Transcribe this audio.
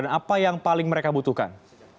dan apa yang paling mereka butuhkan